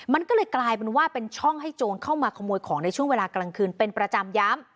มันก็เลยกลายเป็นว่าเป็นช่องให้โจรเข้ามาขโมยของในช่วงเวลากลางคืนเป็นประจำย้ำ